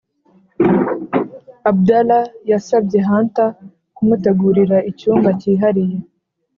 abdallah yasabye hunter kumutegurira icyumba cyihariye